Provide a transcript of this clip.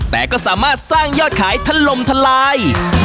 แต่ก็สามารถสร้างยอดขายทะลมทลาย